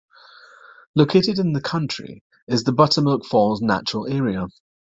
Located in the county is the Buttermilk Falls Natural Area.